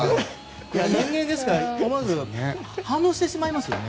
人間ですから思わず反応してしまいますもんね。